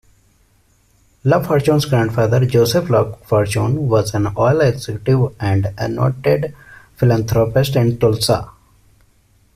LaFortune's grandfather, Joseph LaFortune, was an oil executive and a noted philanthropist in Tulsa.